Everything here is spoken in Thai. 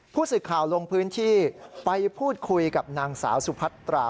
ผู้สื่อข่าวลงพื้นที่ไปพูดคุยกับนางสาวสุพัตรา